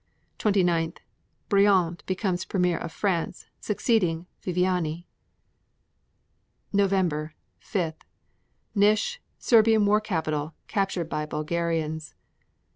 29. Briand becomes premier of France, succeeding Viviani. November 5. Nish, Serbian war capital, captured by Bulgarians.